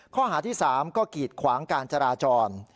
ข้อหาที่๓ก็กีดขวางการจราจร